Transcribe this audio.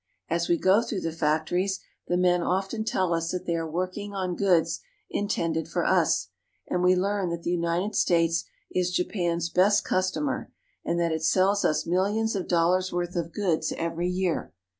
As we go through the factories, the men often tell us that they are working on goods intended for us ; and we learn that the United States is Japan's best customer, and that it sells us millions of dollars' worth of goods every year.